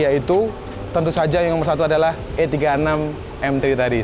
yaitu tentu saja yang nomor satu adalah e tiga puluh enam m tiga tadi